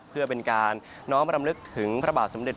เพื่อเป็นการน้องบรรยามลึกถึงพระบาทสมดิต